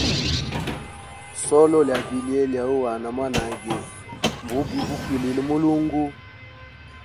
Solo lya vilye lya uhana mwanage mbubi bukwilile mwilungu.